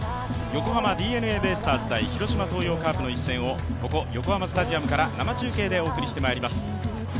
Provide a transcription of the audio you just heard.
横浜ＤｅＮＡベイスターズ×広島東洋カープの１戦をここ横浜スタジアムから生中継でお送りしてまいります。